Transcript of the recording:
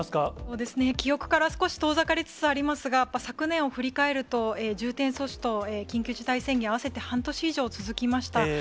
そうですね、記憶から少し遠ざかりつつありますが、やっぱり昨年を振り返ると、重点措置と緊急事態宣言、合わせて半年以上続きました。